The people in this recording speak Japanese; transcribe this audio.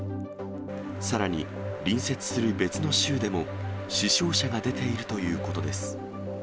さらに隣接する別の州でも、死傷者が出ているということです。